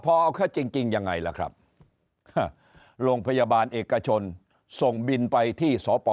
พอเอาเข้าจริงยังไงล่ะครับโรงพยาบาลเอกชนส่งบินไปที่สป